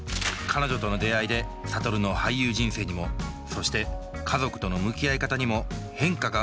彼女との出会いで諭の俳優人生にもそして家族との向き合い方にも変化が訪れるようになります。